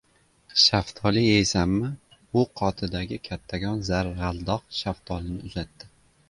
Shaftoli yeysanmi? - U qoTidagi kattakon zar- g‘aldoq shaftolini uzatdi.